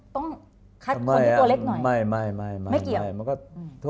ต้องคัทคนที่ตัวเล็กหน่อย